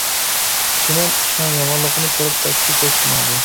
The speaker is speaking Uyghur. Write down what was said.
چىمەن ئىشنىڭ يامانلىقىنى كۆرۈپ تاكسى توسۇپ ماڭدى.